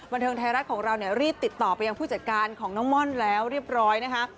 บันเทิงไทยรัฐของเราเนี่ยรีบติดต่อไปยังผู้จัดการของน้องม่อนแล้วเรียบร้อยนะคะ